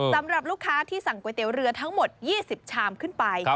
สำหรับลูกค้าที่สั่งก๋วยเตี๋ยวเรือทั้งหมด๒๐ชามขึ้นไป